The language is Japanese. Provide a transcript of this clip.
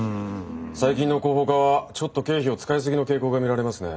最近の広報課はちょっと経費を使い過ぎの傾向が見られますね。